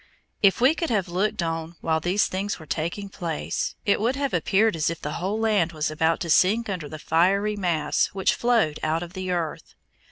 If we could have looked on while these things were taking place it would have appeared as if the whole land was about to sink under the fiery mass which flowed out of the earth.